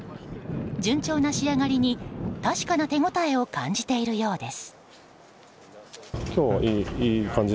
順調な仕上がりに確かな手応えを感じているようです。